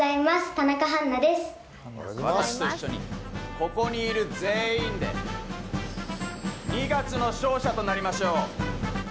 ここにいる全員で二月の勝者となりましょう。